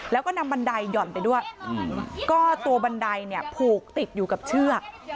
แล้วก็นำบันไดหย่อนไปด้วยก็ตัวบันไดเนี่ยผูกติดอยู่กับเชือก